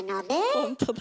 ほんとだ。